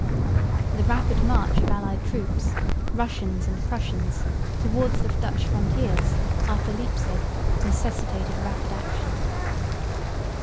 The rapid march of allied troops, Russians and Prussians, towards the Dutch frontiers after Leipzig necessitated rapid action.